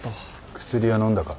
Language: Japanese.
薬は飲んだか？